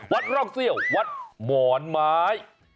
ร่องเซี่ยววัดหมอนไม้